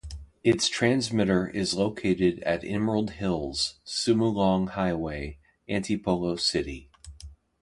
Its transmitter is located at Emerald Hills, Sumulong Highway, Antipolo City.